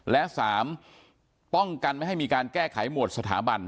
และ๓ป้องกันไม่ให้มีการแก้ไขหมวดสถาบัน